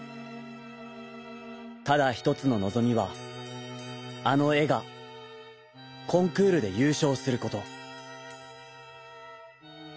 ただひとつののぞみはあのえがコンクールでゆうしょうすること。